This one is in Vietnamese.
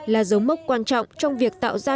là dấu mốc quan trọng trong việc tạo ra những kế hoạch